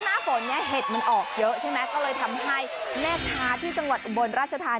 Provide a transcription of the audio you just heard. หน้าฝนมันออกเยอะใช่มะก็เลยทำให้แม่คาที่จังหวัดบลราชธา